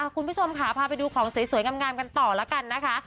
คุณผู้ชมค่ะพาไปดูของสวยงามกันต่อแล้วกันนะคะ